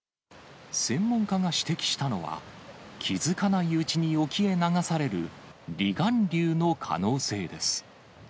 専門家が指摘したのは、気付かないうちに沖へ流される離岸流の可能性です。